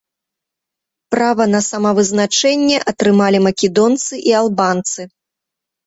Права на самавызначэнне атрымалі македонцы і албанцы.